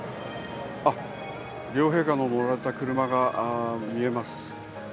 あっ、両陛下の乗られた車が見えます。